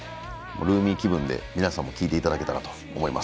ルーミー気分で皆さんも聞いていただけたらと思います。